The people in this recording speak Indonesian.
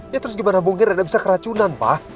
ya terus gimana mungkin rena bisa keracunan pak